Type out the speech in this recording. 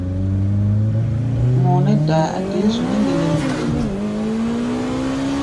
Mɔʼɔ nɛ́ daa a dé zu-mɛ́ gelɛm-gelɛm nde?